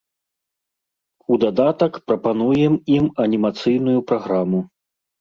У дадатак прапануем ім анімацыйную праграму.